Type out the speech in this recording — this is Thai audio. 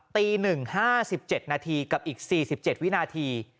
ตีหนึ่งห้าสิบเจ็ดนาทีกับอีกสี่สิบเจ็ดวินาที